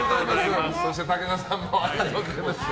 そして、武田さんもありがとうございました。